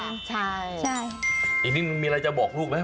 ยังงี้มันมีอะไรจะบอกลูกไหม